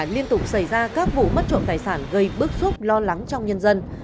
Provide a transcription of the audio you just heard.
liên tục xảy ra các vụ mất trộm tài sản gây bức xúc lo lắng trong nhân dân